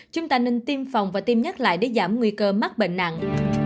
chúng ta nên tiêm phòng và tiêm nhắc lại để giảm nguy cơ mắc bệnh nặng